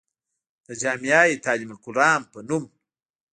د جامعه تعليم القرآن پۀ نوم